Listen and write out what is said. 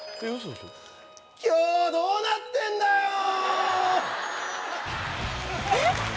今日はどうなってんだよえっ？